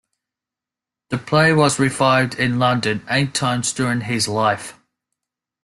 The play was revived in London eight times during his life.